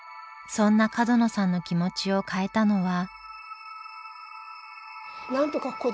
そんな角野さんの気持ちを変えたのは。